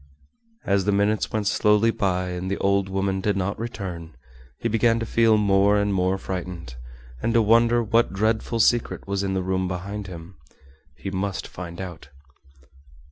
As the minutes went slowly by and the old woman did not return, he began to feel more and more frightened, and to wonder what dreadful secret was in the room behind him. He must find out.